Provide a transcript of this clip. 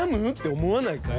思わないかい？